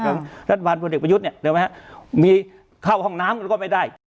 ของรัฐบาลพลังเด็กประยุทธ์เนี่ยเข้าห้องน้ำก็ไม่ได้